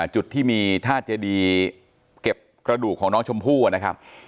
จุดที่มีท่าเจดีเก็บกระดูกของน้องชมพู่นะครับ